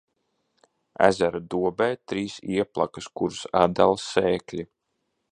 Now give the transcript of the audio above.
Ezera dobē trīs ieplakas, kuras atdala sēkļi.